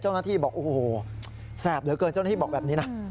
เจ้าหน้าที่บอกโอ้โหแสบเหลือเกินเจ้าหน้าที่บอกแบบนี้นะ